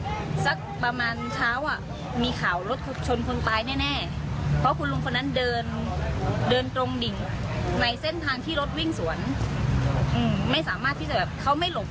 เดินตรงดิ่งในเส้นทางที่รถวิ่งสวนอืมไม่สามารถที่จะแบบเขาไม่หลบเลยอะค่ะ